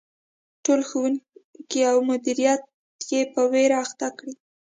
ټول ښوونکي او مدیریت یې په ویر اخته کړي.